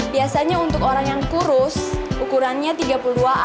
biasanya untuk orang yang kurus ukurannya tiga puluh dua a